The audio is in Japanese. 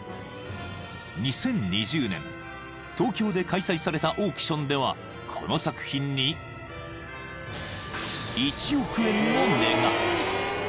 ［２０２０年東京で開催されたオークションではこの作品に１億円の値が］